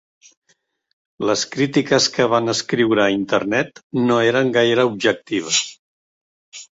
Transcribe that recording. Les crítiques que van escriure a Internet no eren gaire objectives.